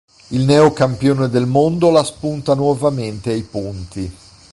Il neo campione del mondo la spunta nuovamente ai punti.